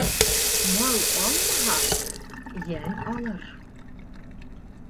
Мал алмаһа, йән алыр.